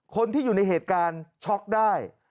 คนที่อยู่ในเหตุการณ์ช็อกได้